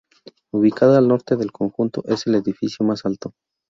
Ubicada al norte del conjunto, es el edificio más alto.